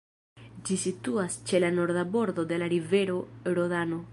Ĝi situas ĉe la norda bordo de la rivero Rodano.